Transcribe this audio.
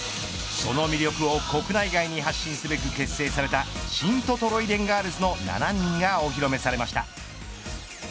その魅力を国内外に発信すべく結成されたシントトロイデンガールズの７人がお披露目されました。